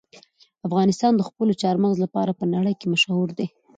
افغانستان د خپلو چار مغز لپاره په نړۍ کې مشهور دی.